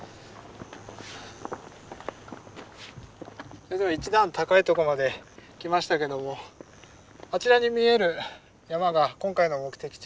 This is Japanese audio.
それでは一段高いとこまで来ましたけどもあちらに見える山が今回の目的地